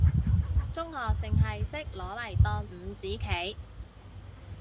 中學淨係識攞嚟當五子棋，